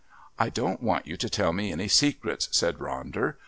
"I don't want you to tell me any secrets," said Ronder.